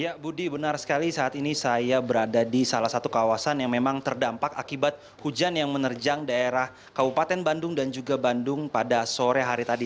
ya budi benar sekali saat ini saya berada di salah satu kawasan yang memang terdampak akibat hujan yang menerjang daerah kabupaten bandung dan juga bandung pada sore hari tadi